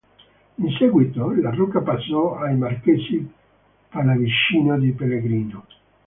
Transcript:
In seguito la rocca passò ai marchesi Pallavicino di Pellegrino.